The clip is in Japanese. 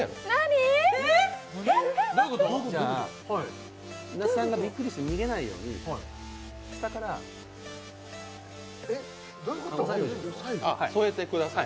じゃあ、那須さんがびっくりして逃げないように下から押さえておいてください。